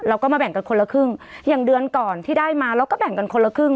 เราก็มาแบ่งกันคนละครึ่งอย่างเดือนก่อนที่ได้มาเราก็แบ่งกันคนละครึ่ง